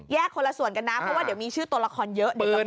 เพราะว่าเดี๋ยวมีชื่อตัวละครเยอะ